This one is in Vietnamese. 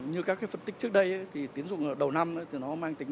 như các phân tích trước đây tính dụng đầu năm mang tính